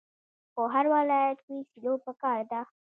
په هر ولایت کې سیلو پکار ده.